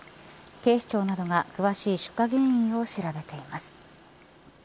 警視庁などが詳しい出火原因を調べています。